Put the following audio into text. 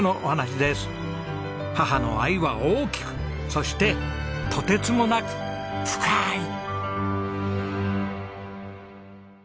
母の愛は大きくそしてとてつもなく深い。